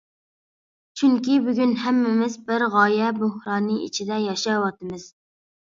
چۈنكى بۈگۈن ھەممىمىز بىر غايە بوھرانى ئىچىدە ياشاۋاتىمىز.